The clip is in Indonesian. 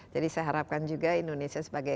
jadi saya harapkan juga indonesia sebagai